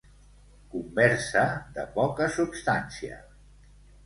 Conversa de poca substància.